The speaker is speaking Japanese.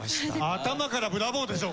頭からブラボーでしょ